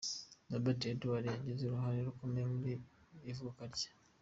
Robert Edwards wagize uruhare rukomeye mu ivuka rye.